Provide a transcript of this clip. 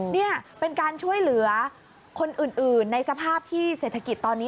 นี่เป็นการช่วยเหลือคนอื่นในสภาพที่เศรษฐกิจตอนนี้